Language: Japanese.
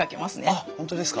あっ本当ですか。